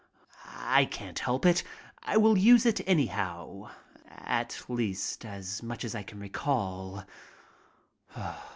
I can't help it. I will use it anyhow, at least as much as I can recall.